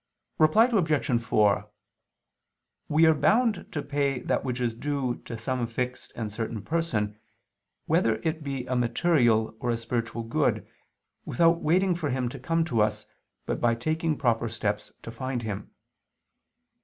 Reply Obj. 4: We are bound to pay that which is due to some fixed and certain person, whether it be a material or a spiritual good, without waiting for him to come to us, but by taking proper steps to find him.